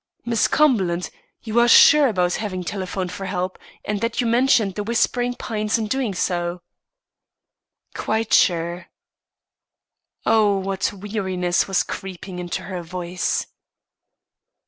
"Miss Cumberland, you are sure about having telephoned for help, and that you mentioned The Whispering Pines in doing so?" "Quite sure." Oh, what weariness was creeping into her voice!